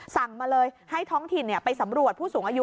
สั่งมาเลยให้ท้องถิ่นไปสำรวจผู้สูงอายุ